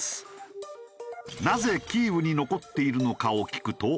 なぜキーウに残っているのかを聞くと。